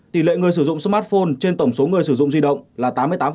tỷ lệ người sử dụng smartphone trên tổng số người sử dụng di động là tám mươi tám